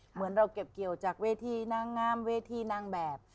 เหมือนเราเก็บเกี่ยวจากเวทีนางงามเวทีนางแบบ